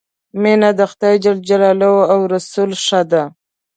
مینه د خدای ج او رسول ښه ده.